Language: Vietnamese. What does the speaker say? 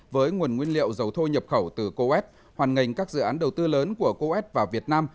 với nguồn nguyên liệu dầu thô nhập khẩu từ coes hoàn ngành các dự án đầu tư lớn của coes vào việt nam